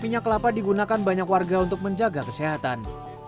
minyak kelapa digunakan banyak warga untuk menjaga kesehatan